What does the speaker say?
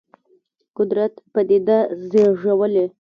قدرت پدیده زېږولې.